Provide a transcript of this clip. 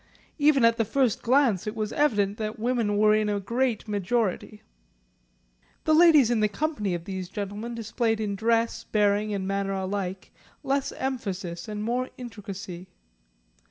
Even at the first glance it was evident that women were in a great majority. The ladies in the company of these gentlemen displayed in dress, bearing and manner alike, less emphasis and more intricacy.